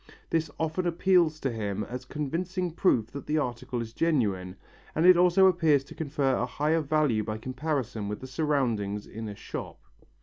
This often appeals to him as convincing proof that the article is genuine, and it also appears to confer a higher value by comparison with the surroundings in a shop.